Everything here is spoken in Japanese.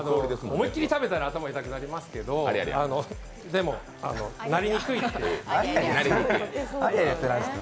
思い切り食べたら頭痛くなりますけど、でもなりにくいです。